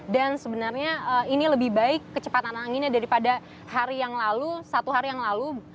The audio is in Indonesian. dan sebenarnya ini lebih baik kecepatan anginnya daripada hari yang lalu satu hari yang lalu